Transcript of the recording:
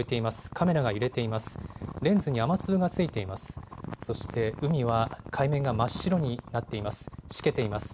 カメラが揺れています。